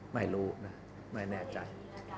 ไม่รู้นะไม่แน่ใจ